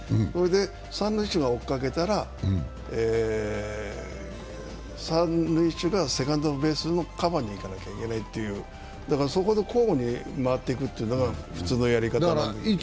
三塁手が追いかけたら三塁手がセカンドベースのカバーに行かなきゃ行けないという交互に埋まっていくというのが普通のやり方なんですけどね。